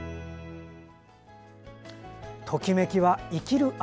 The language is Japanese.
ときめきは生きる証。